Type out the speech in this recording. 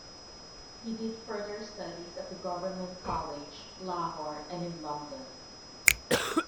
He did further studies at the Government College, Lahore and in London.